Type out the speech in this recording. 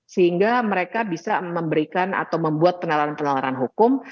sehingga mereka bisa memberikan atau membuat penanganan hukum